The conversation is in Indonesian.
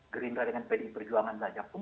gerindra dengan pdi perjuangan saja pun